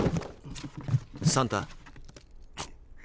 サンタ。